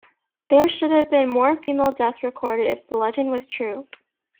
There should have been more female deaths recorded, if the legend were true.